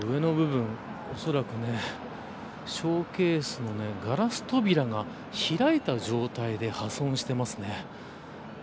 ショーケースのガラス扉が開いた状態で破損しています。